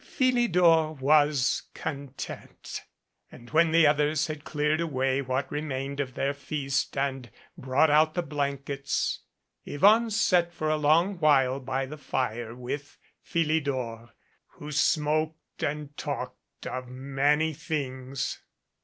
Philidor was content. And when the others had cleared away what remained of their feast and brought out the blankets, Yvonne sat for a long while by the fire with Philidor, who smoked and talked of many things.